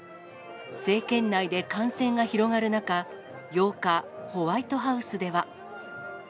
政権内で感染が広がる中、８日、ホワイトハウスでは。